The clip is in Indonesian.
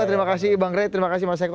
terima kasih bang ray terima kasih mas eko